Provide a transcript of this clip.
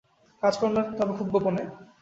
কাজকর্ম, তবে খুব গোপনে।